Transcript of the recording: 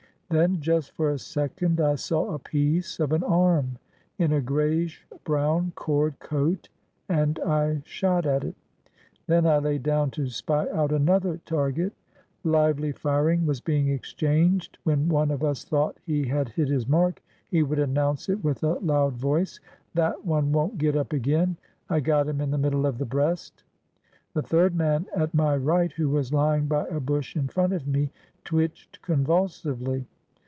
Then just for a second I saw a piece of an arm in a grayish brown cord coat, and I shot at it. Then I lay down to spy out another target. Lively firing was being exchanged. When one of us thought he had hit his mark, he would announce it with a loud voice: "That one won't get up again! I got him in the middle of the breast!" The third man at my right, who was l3dng by a bush in front of me, twitched convulsively.